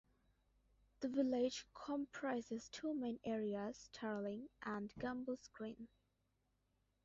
The village comprises two main areas, Terling and Gambles Green.